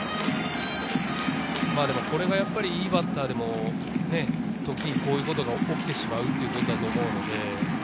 これがやっぱりいいバッターでも時にこういうことが起きてしまうということだと思うので。